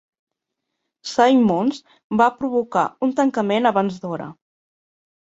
Simmons va provocar un tancament abans d'hora.